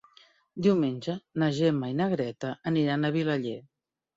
Diumenge na Gemma i na Greta aniran a Vilaller.